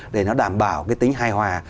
để nó đảm bảo cái tính hài hòa